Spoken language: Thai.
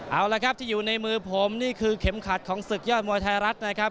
เอาละครับที่อยู่ในมือผมนี่คือเข็มขัดของศึกยอดมวยไทยรัฐนะครับ